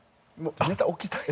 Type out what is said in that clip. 「ネタ置きたい」？